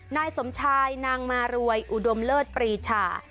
นายสมชายนางมารวยอุดมเลิศปรีชา